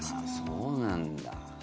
そうなんだ。